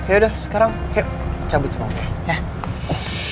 yaudah sekarang yuk cabut semua ya